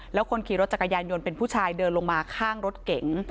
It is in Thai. แล้วคนขี่รถจักรยานยนต์เป็นผู้ชายเดินลงมาข้างรถเก๋ง